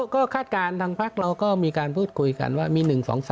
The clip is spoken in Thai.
ก็คาดการณ์ทางพักเราก็มีการพูดคุยกันว่ามี๑๒๓